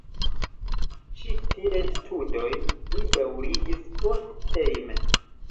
Ĉi tiajn studojn li daŭrigis poste hejme.